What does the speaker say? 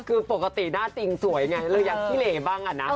คือปกติหน้าจริงสวยไงเราอยากขี้เหลบ้างอะนะ